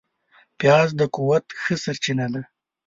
پیاز د قوت ښه سرچینه ده